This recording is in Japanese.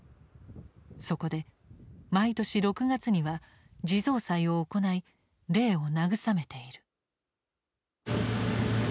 そこで毎年６月には地蔵祭を行い霊を慰めている」。